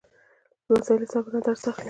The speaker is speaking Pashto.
لمسی له صبر نه درس اخلي.